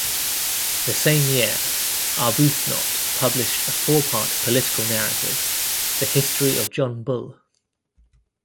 The same year Arbuthnot published a four-part political narrative "The History of John Bull".